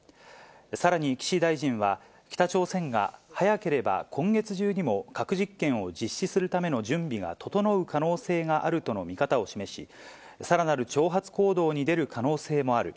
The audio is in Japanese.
さらに岸大臣は、北朝鮮が早ければ今月中にも核実験を実施するための準備が整う可能性があるとの見方を示し、さらなる挑発行動に出る可能性もある。